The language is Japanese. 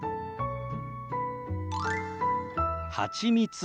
はちみつ。